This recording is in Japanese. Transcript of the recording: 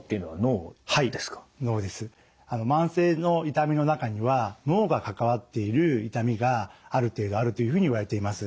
慢性の痛みの中には脳が関わっている痛みがある程度あるというふうにいわれています。